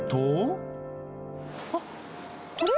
あっ、これ？